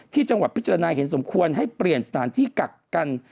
ที่จังหวัดพิจารณาเห็นสมควรให้เปลี่ยนสถานที่กักกัน